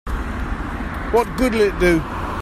What good'll it do?